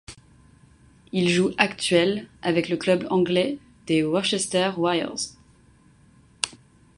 Il joue actuel avec le club anglais des Worcester Warriors.